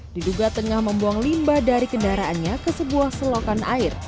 diduga tengah membuang limba dari kendaraannya ke sebuah selokan air